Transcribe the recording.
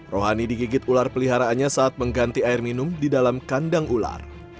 rohani digigit ular peliharaannya saat mengganti air minum di dalam kandang ular